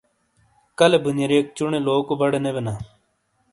کلے بُنیاریک چُنے لوکو بڑے نے بینا۔